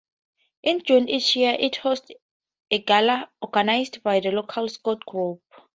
In June each year, it hosts a gala organised by the local Scout group.